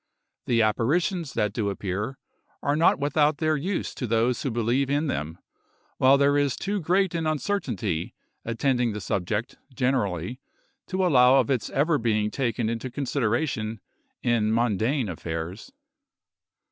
The apparitions that do appear, are not without their use to those who believe in them; while there is too great an uncertainty attending the subject, generally to allow of its ever being taken into consideration in mundane affairs.